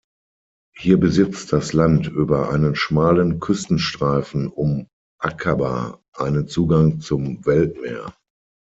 Hier besitzt das Land über einen schmalen Küstenstreifen um Akaba einen Zugang zum Weltmeer.